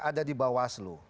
ada di bawah selu